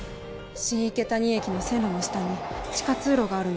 新池谷駅の線路の下に地下通路があるんです。